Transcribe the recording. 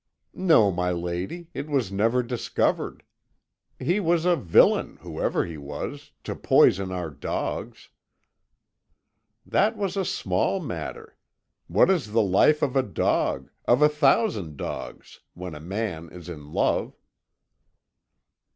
"No, my lady, it was never discovered. He was a villain, whoever he was, to poison our dogs." "That was a small matter. What is the life of a dog of a thousand dogs when a man is in love?"